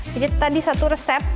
jadi tadi satu resep